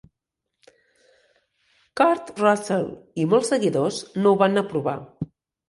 Kurt Russell i molts seguidors no ho van aprovar.